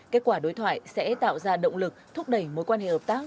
kết quả đối thoại sẽ tạo ra động lực thúc đẩy mối quan hệ hợp tác